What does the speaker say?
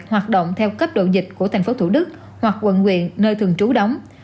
hoạt động theo cấp độ dịch của tp thủ đức hoặc quận quyện nơi thường trú đóng